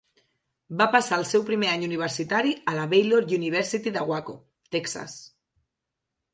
Va passar el seu primer any universitari a la Baylor University de Waco, Texas.